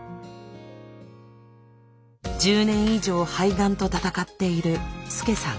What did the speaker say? １０年以上肺がんと闘っているスケサン。